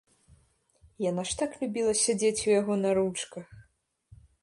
Яна ж так любіла сядзець у яго на ручках!